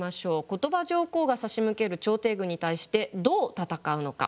後鳥羽上皇が差し向ける朝廷軍に対してどう戦うのか。